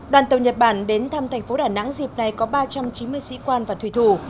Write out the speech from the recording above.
đoàn tàu nhật bản đến thăm thành phố đà nẵng dịp này có ba trăm chín mươi sĩ quan và thủy thủ